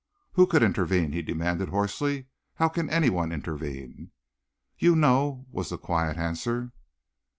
"Who could intervene?" he demanded hoarsely. "How can anyone intervene?" "You know," was the quiet answer.